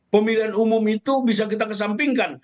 pemilihan umum itu bisa kita kesampingkan